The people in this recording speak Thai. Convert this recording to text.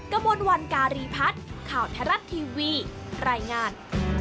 กระมวลวันการีพัฒน์ข่าวไทยรัฐทีวีรายงาน